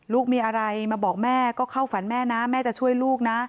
ลูกมีอะไรมาบอกแม่ก็เข้าฝันแม่นะแม่จะช่วยลูกนะ